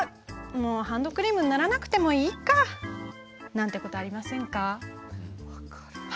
ハンドクリーム塗らなくていいか。なんてこと、ありませんか？